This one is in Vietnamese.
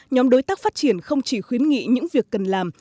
nhóm đối tác phát triển không chỉ khuyến nghị những việc cần làm